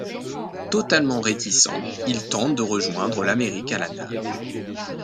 Totalement réticent, il tente de rejoindre l'Amérique à la nage.